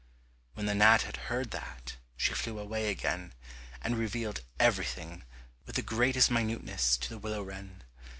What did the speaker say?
When the gnat had heard that, she flew away again, and revealed everything, with the greatest minuteness, to the willow wren.